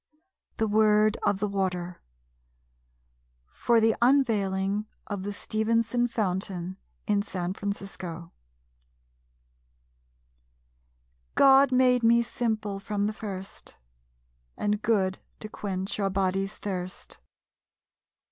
THE WORD OF THE WATER For the Unveiling of the Stevenson Fountain in San Francisco God made me simple from the first, And good to quench your body's thirst.